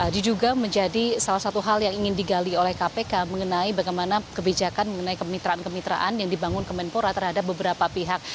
diduga menjadi salah satu hal yang ingin digali oleh kpk mengenai bagaimana kebijakan mengenai kemitraan kemitraan yang dibangun kemenpora terhadap beberapa pihak